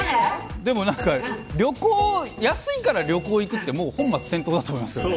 でもなんか安いから旅行行くって本末転倒だと思いますけど。